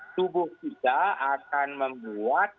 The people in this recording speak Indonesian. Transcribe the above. tubuh kita akan membuat